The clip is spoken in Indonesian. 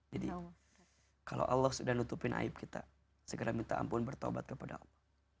jadi kalau allah sudah nutupi aib kita segera minta ampun bertobat kepada allah